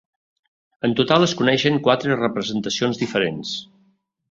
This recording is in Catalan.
En total es coneixen quatre representacions diferents.